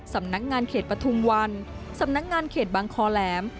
สำนักงานเขตปฐุมวันสำนักงานเขตบางคอแหลม